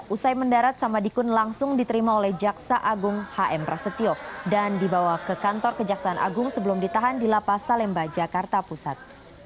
usai mendarat samadikun langsung diterima oleh jaksa agung hm prasetyo dan dibawa ke kantor kejaksaan agung sebelum ditahan di lapas salemba jakarta pusat